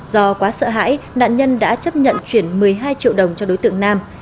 do quá sợ hãi nạn nhân đã chấp nhận chuyển một mươi hai triệu đồng cho đối tượng nam